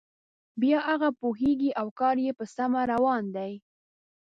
بیا هغه پوهیږي او کار یې په سمه روان دی.